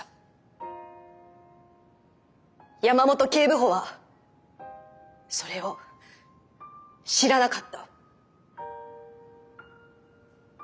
山本警部補はそれを知らなかった。